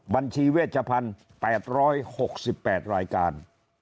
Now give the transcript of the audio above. บัญชีเวชพันธุ์๘๖๘รายการ